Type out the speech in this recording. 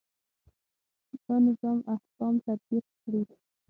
دا نظام احکام تطبیق کړي.